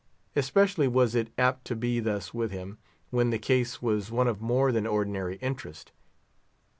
Especially was it apt to be thus with him, when the case was one of more than ordinary interest.